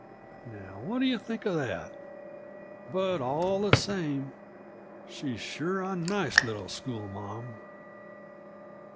Now, what do you think of that? But all the same, she's sure a nice little schoolma'am."